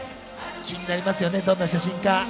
気になりますよね、どんな写真か。